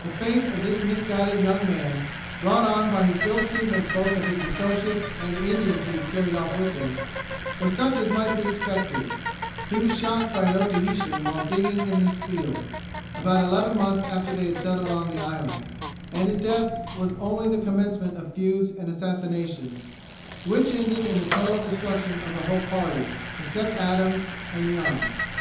The fate of this misguided young man, brought on by his ill treatment both of his associates and the Indians he had carried off with him, was such as might be expected he was shot by an Otaheitan while digging in his field, about eleven months after they had settled on the island, and his death was only the commencement of feuds and assassinations, which ended in the total destruction of the whole party, except Adams and Young.